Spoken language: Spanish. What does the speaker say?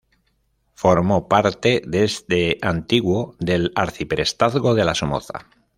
Formó parte, desde antiguo, del Arciprestazgo de la Somoza.